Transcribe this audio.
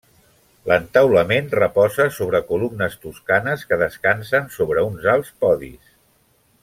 L'entaulament reposa sobre columnes toscanes que descansen sobre uns alts podis.